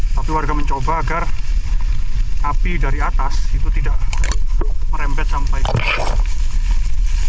tapi warga mencoba agar api dari atas itu tidak merembet sampai ke atas